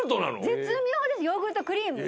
絶妙ですヨーグルトクリーム。